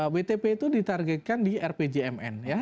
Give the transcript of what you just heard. wtp itu ditargetkan di rpjmn ya